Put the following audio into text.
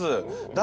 誰？